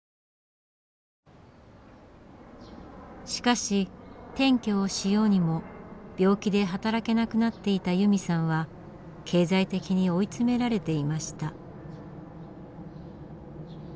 しかし転居をしようにも病気で働けなくなっていた由美さんは経済的に追いつめられていました。